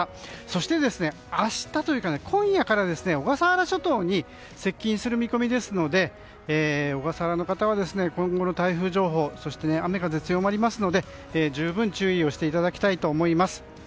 そして明日というか今夜から小笠原諸島に接近する見込みですので小笠原の方は、今後の台風情報そして雨風強まりますので十分注意していただきたいと思います。